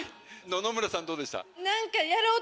野々村さんどうでした？